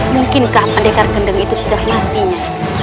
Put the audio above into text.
mungkinkah pendekar kendeng itu sudah matinya